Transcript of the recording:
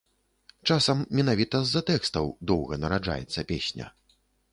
Часам менавіта з-за тэкстаў доўга нараджаецца песня.